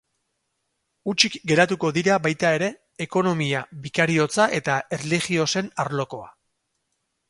Hutsik geratuko dira baita ere, ekonomia bikariotza eta erligiosen arlokoa.